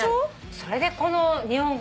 それでこの日本語だもん。